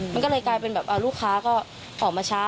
มันก็เลยกลายเป็นแบบลูกค้าก็ออกมาช้า